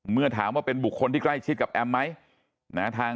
เมื่อถามว่าเป็นบุคคลที่ใกล้ชิดกับแอมไหม